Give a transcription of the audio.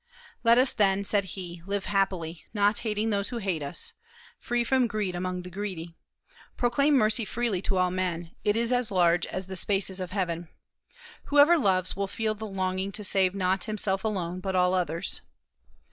"Let us then," said he, "live happily, not hating those who hate us; free from greed among the greedy.... Proclaim mercy freely to all men; it is as large as the spaces of heaven.... Whoever loves will feel the longing to save not himself alone, but all others."